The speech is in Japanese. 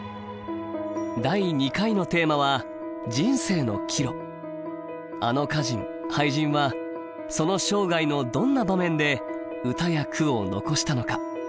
第２回のテーマはあの歌人・俳人はその生涯のどんな場面で歌や句を残したのか？